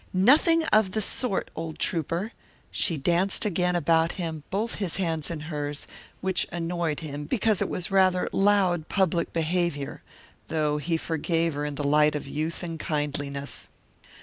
"Nothing of the sort, old Trouper!" She danced again about him, both his hands in hers, which annoyed him because it was rather loud public behaviour, though he forgave her in the light of youth and kindliness.